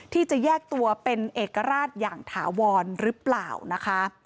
ที่จะแยกตัวเป็นเอกราชอย่างถาวรหรือเปล่านะคะ